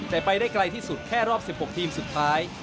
แต่ไปได้ไกลที่สุดแค่รอบ๑๖ทีมสุดท้าย